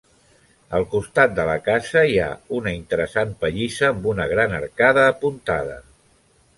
Al costat de la casa hi ha una interessant pallissa amb una gran arcada apuntada.